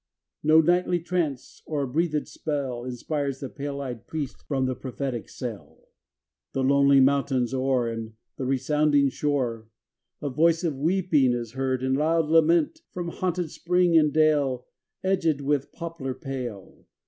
No nightly trance, or breathed spell, Inspires the pale eyed Priest from the prophetic cell. XX The lonely mountains o'er. And the resounding shore, A voice of weeping heard and loud lament; From haunted spring, and dale Edged with poplar pale.